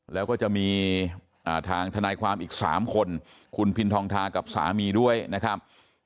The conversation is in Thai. แล้วก็จะมีทางทนายความอีก๓คนคุณพินทองทากับสามีด้วยนะครับ